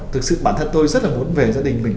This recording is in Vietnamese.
thực sự bản thân tôi rất là muốn về gia đình mình